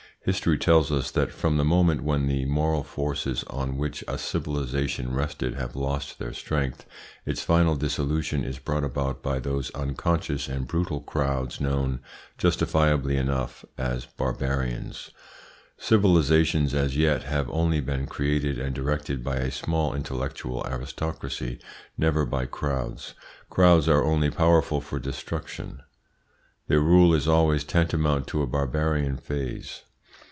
History tells us, that from the moment when the moral forces on which a civilisation rested have lost their strength, its final dissolution is brought about by those unconscious and brutal crowds known, justifiably enough, as barbarians. Civilisations as yet have only been created and directed by a small intellectual aristocracy, never by crowds. Crowds are only powerful for destruction. Their rule is always tantamount to a barbarian phase.